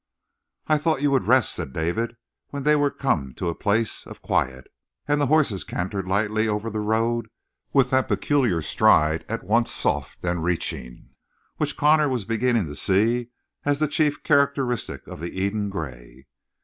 "I thought you would rest," said David, when they were come to a place of quiet, and the horses cantered lightly over the road with that peculiar stride, at once soft and reaching, which Connor was beginning to see as the chief characteristic of the Eden Gray.